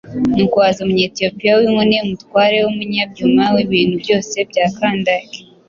Nuko haza umunyetiyopiya w’inkone, umutware n’umunyabyuma w’ibintu byose bya Kandake